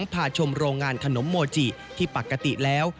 พาชมโรงงานขนมโมจิที่ปกติแล้ว